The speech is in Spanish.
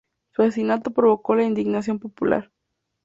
Su asesinato provocó la indignación popular.